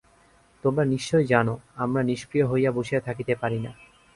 তোমরা নিশ্চয়ই জান, আমরা নিষ্ক্রিয় হইয়া বসিয়া থাকিতে পারি না।